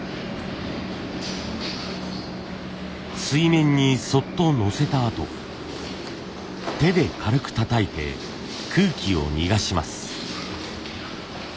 水面にそっとのせたあと手で軽くたたいて空気を逃がします。